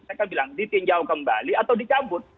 saya kan bilang ditinjau kembali atau dicabut